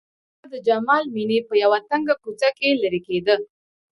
هغه د جمال مېنې په يوه تنګه کوڅه کې لېرې کېده.